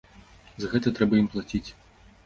За гэта трэба ім плаціць.